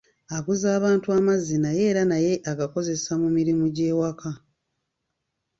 Aguza abantu amazzi naye era naye agakozesa mu mirimu gy'ewaka.